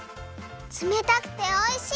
つめたくておいしい！